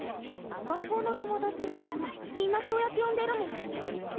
学校の友達はみんなそうやって呼んでるもん。